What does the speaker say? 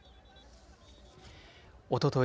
おととい